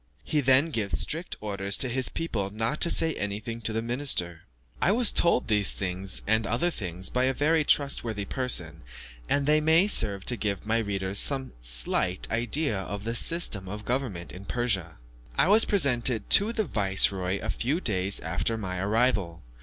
He then gives strict orders to his people not to say anything of it to the minister. I was told these and other things by a very trustworthy person, and they may serve to give my readers some slight idea of the system of government in Persia. I was presented to the viceroy a few days after my arrival.